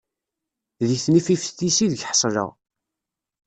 Di tnifift-is ideg ḥesleɣ.